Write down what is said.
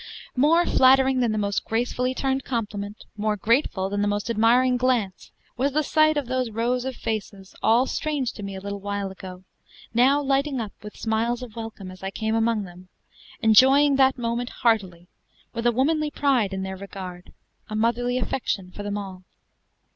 More flattering than the most gracefully turned compliment, more grateful than the most admiring glance, was the sight of those rows of faces, all strange to me a little while ago, now lighting up with smiles of welcome as I came among them, enjoying that moment heartily, with a womanly pride in their regard, a motherly affection for them all.